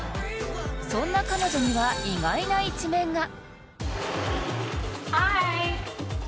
そんな彼女には意外な一面が。